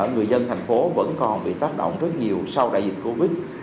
người dân thành phố vẫn còn bị tác động rất nhiều sau đại dịch covid